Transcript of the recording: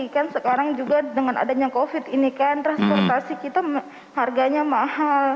kan sekarang juga dengan adanya covid ini kan transportasi kita harganya mahal